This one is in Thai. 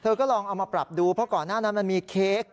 ก็ลองเอามาปรับดูเพราะก่อนหน้านั้นมันมีเค้ก